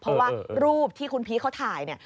เพราะว่ารูปที่คุณพีชเขาถ่ายเนี่ย